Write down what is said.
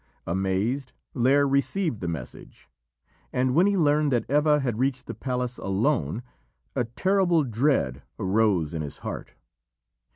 Amazed, Lîr received the message, and when he learned that Eva had reached the palace alone, a terrible dread arose in his heart.